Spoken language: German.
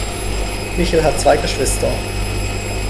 Michel hat zwei Geschwister.